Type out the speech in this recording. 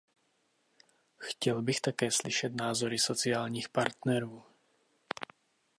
Chtěl bych také slyšet názory sociálních partnerů.